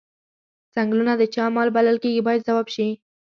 څنګلونه د چا مال بلل کیږي باید ځواب شي.